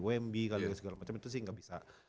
wemby segala macam itu sih gak bisa